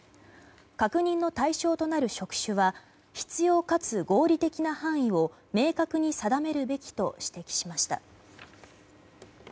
確認の対象となる職種は必要かつ合理的な範囲を明確に定めるべきと指摘しました。